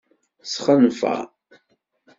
Sxenfeṛ.